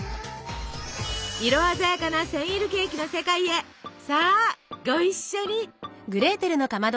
色鮮やかなセンイルケーキの世界へさあご一緒に！